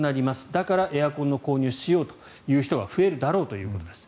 だからエアコンの購入をしようという人が増えるだろうということです。